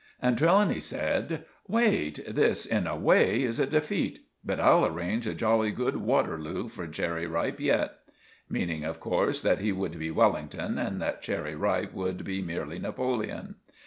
And Trelawny said— "Wait! This, in a way, is a defeat. But I'll arrange a jolly good Waterloo for Cherry Ripe yet." Meaning, of course, that he would be Wellington, and that Cherry Ripe would be merely Napoleon.